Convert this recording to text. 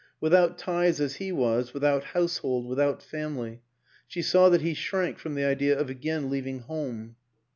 Without ties as he was, without household, without family, she saw that he shrank from the idea of again leaving " home."